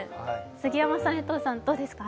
杉山さん、江藤さん、どうですか？